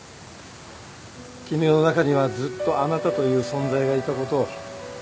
絹代の中にはずっとあなたという存在がいたことを。